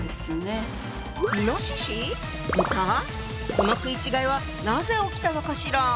この食い違いはなぜ起きたのかしら？